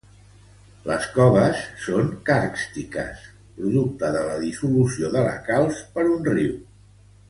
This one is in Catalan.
Les coves són càrstiques, producte de la dissolució de la calç per un riu.